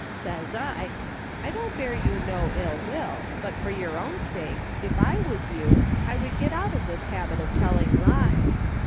Says I :' I don't bear you no ill will, but for your own sake, if I was you, I would get out of this habit of telling lies.